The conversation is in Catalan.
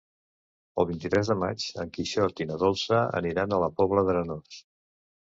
El vint-i-tres de maig en Quixot i na Dolça aniran a la Pobla d'Arenós.